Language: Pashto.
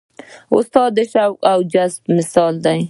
استاد د شوق او جذبې مثال دی.